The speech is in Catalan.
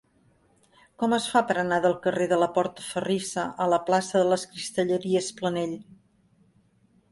Com es fa per anar del carrer de la Portaferrissa a la plaça de les Cristalleries Planell?